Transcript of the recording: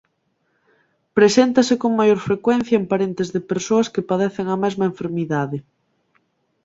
Preséntase con maior frecuencia en parentes de persoas que padecen a mesma enfermidade.